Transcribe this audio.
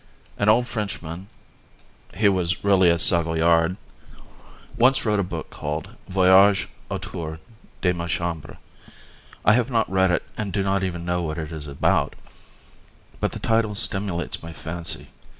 An old Frenchman (he was really a Savoyard) once wrote a book called Voyage autour de ma Chambre. I have not read it and do not even know what it is about, but the title stimulates my fancy.